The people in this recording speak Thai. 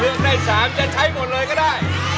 ได้๓จะใช้หมดเลยก็ได้